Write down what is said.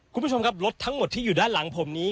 คุณผู้ชมครับรถทั้งหมดที่อยู่ด้านหลังผมนี้